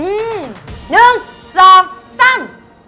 อืมหนึ่งสองสั้น